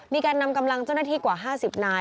มีการนำกำลังเจ้าหน้าที่กว่า๕๐นาย